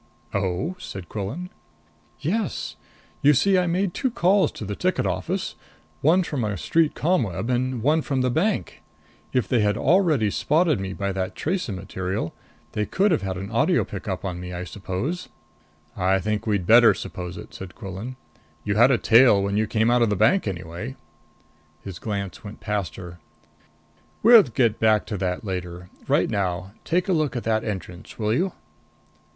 "Oh?" said Quillan. "Yes. You see I made two calls to the ticket office. One from a street ComWeb and one from the bank. If they already had spotted me by that tracer material, they could have had an audio pick up on me, I suppose." "I think we'd better suppose it," said Quillan. "You had a tail when you came out of the bank anyway." His glance went past her. "We'll get back to that later. Right now, take a look at that entrance, will you?"